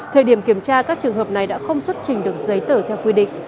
thời điểm kiểm tra các trường hợp này đã không xuất trình được giấy tờ theo quy định